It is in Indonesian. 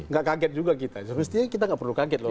nggak kaget juga kita semestinya kita nggak perlu kaget loh